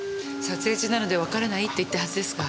撮影中なのでわからないって言ったはずですが。